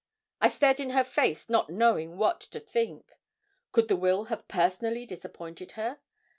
I stared in her face, not knowing what to think. Could the will have personally disappointed her?